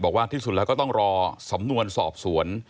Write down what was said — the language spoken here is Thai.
ที่สุดแล้วก็ต้องรอสำนวนสอบสวน